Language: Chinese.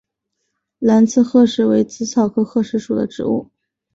蓝刺鹤虱为紫草科鹤虱属的植物。